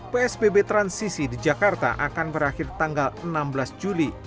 psbb transisi di jakarta akan berakhir tanggal enam belas juli